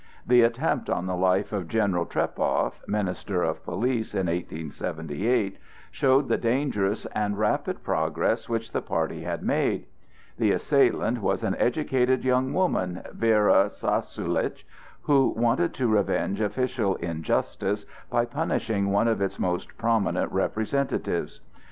The attempt on the life of General Trepow, minister of police, in 1878, showed the dangerous and rapid progress which the party had made. The assailant was an educated young woman, Vera Sassoulitch, who wanted to revenge official injustice by punishing one of its most prominent representatives.